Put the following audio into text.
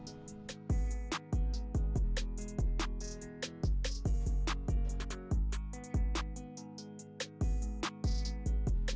juga terdapat perpaduan pesantren umur ongkrad dan abu abu